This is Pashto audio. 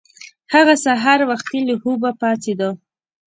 هغه سهار وختي له خوبه پاڅیده.